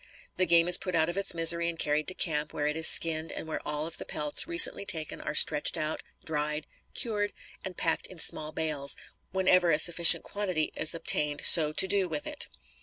The game is put out of its misery and carried to camp, where it is skinned, and where all of the pelts recently taken are stretched out, dried, cured, and packed in small bales, whenever a sufficient quantity is obtained so to do with it.